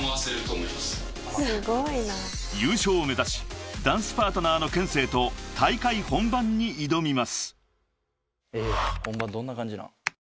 ［優勝を目指しダンスパートナーのＫＥＮＳＥＩと大会本番に挑みます］